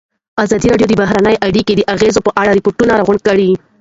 ازادي راډیو د بهرنۍ اړیکې د اغېزو په اړه ریپوټونه راغونډ کړي.